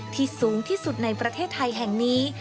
สูงที่สุดในประเทศไทยแห่งนี้